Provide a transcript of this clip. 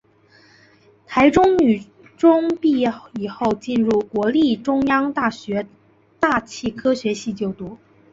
台中女中毕业以后进入国立中央大学大气科学系就读。